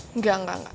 enggak enggak enggak